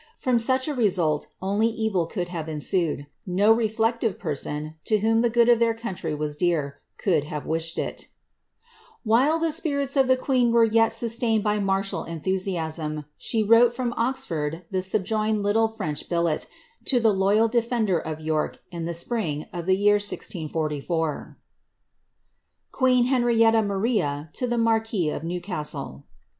From such a result only evil could have ensued ; no reflective person, to whom the good of their country was dear, couU have wished iL While the spirits of the queen were yet sustained by martial enthu siasm, she wrote from Oxford the subjoined little French billet, to the loyal defender of York, in the spring of the year 1644 :— Quiiar HivmiiTTA Mamia to the MiBant or Niwcastxb.